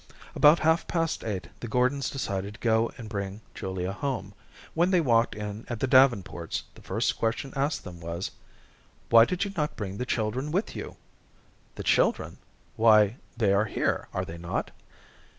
About half past eight the Gordons decided to go and bring Julia home. When they walked in at the Davenports, the first question asked them was: "Why did you not bring the children with you?" "The children? Why, they are here, are they not?"